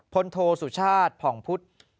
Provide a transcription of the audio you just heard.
พลโทสุชาติผ่องพุทธ